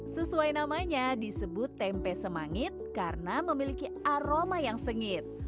sesuai namanya disebut tempe semangit karena memiliki aroma yang sengit